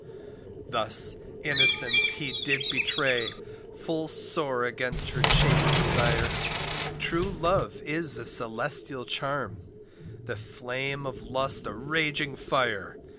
Thus innocence he did betray, Full sore against her chaste desire; True love is a celestial charm, The flame of lust a raging fire.